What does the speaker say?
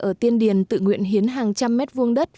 ở tiên điền tự nguyện hiến hàng trăm mét vuông đất